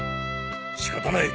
仕方ない。